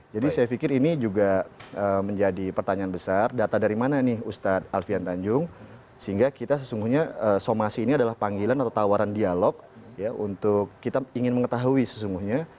jadi saya pikir ini juga menjadi pertanyaan besar data dari mana nih ustadz alfian tanjung sehingga kita sesungguhnya somasi ini adalah panggilan atau tawaran dialog ya untuk kita ingin mengetahui sesungguhnya